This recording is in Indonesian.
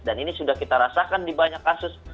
dan ini sudah kita rasakan di banyak kasus